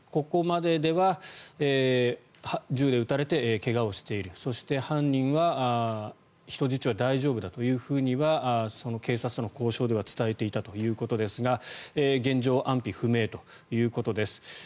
ここまででは銃で撃たれて怪我をしているそして、犯人は人質は大丈夫だとはその警察との交渉では伝えていたということですが現状、安否不明ということです。